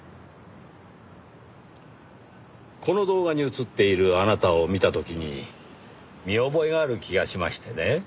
この動画に映っているあなたを見た時に見覚えがある気がしましてね。